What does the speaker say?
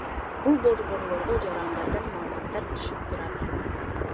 Бул борборлорго жарандардан маалыматтар түшүп турат.